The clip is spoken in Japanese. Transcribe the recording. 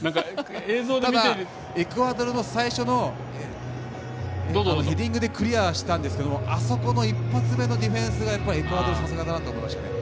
ただ、エクアドルの最初のヘディングでクリアしたんですけどあそこの一発目のディフェンスがエクアドルはさすがだなと思いました。